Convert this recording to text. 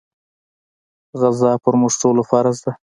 غزا پر موږ ټولو فرض ده.